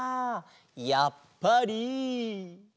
やっぱり？